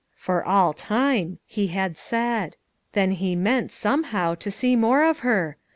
"For all time/' he had said. Then he meant, somehow, to see more of her.